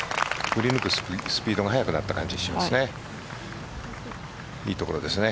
振り抜くスピードが速くなった感じしますね。